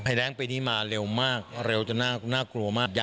แรงปีนี้มาเร็วมากเร็วจนน่ากลัวมาก